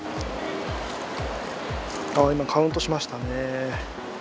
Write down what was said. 今、カウントしましたね。